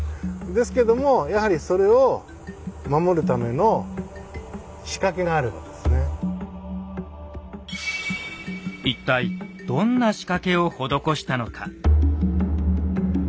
ですけどもやはり一体どんな仕掛けを施したのか。